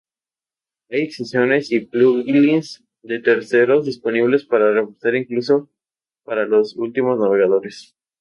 Hay extensiones y plugins de terceros disponibles para reforzar incluso para los últimos navegadores.